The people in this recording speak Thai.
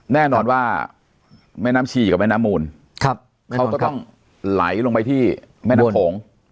แน่นอนว่าแม่น้ำชีกับแม่น้ำมูลเขาก็ต้องไหลลงไปที่แม่น้ำโขง